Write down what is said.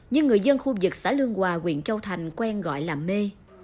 nhưng người dân khu vực xã lương hòa quyện châu thành quen gọi là mê